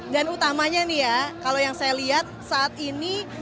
dan utamanya nih ya kalau yang saya lihat saat ini